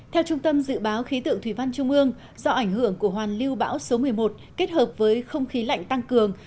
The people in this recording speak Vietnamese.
theo trung tâm dự báo khí tượng thủy văn trung ương do ảnh hưởng của hoàn lưu bão số một mươi một kết hợp với không khí lạnh tăng cường